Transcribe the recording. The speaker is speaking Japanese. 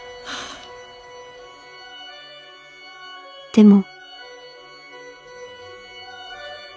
「でも」。